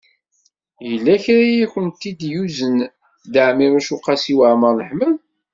Yella kra i akent-id-yuzen Dda Ɛmiiruc u Qasi Waɛmer n Ḥmed.